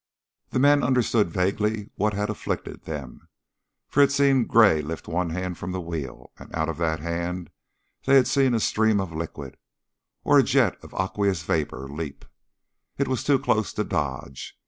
The men understood vaguely what had afflicted them, for they had seen Gray lift one hand from the wheel, and out of that hand they had seen a stream of liquid, or a jet of aqueous vapor, leap. It was too close to dodge.